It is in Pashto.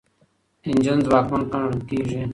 انجن ځواکمن ګڼل کیږي.